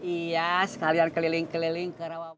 iya sekalian keliling keliling